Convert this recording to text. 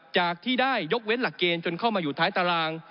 จากที่ได้ยกเว้นหลักเกณฑ์จนเข้ามาอยู่ท้ายตาราง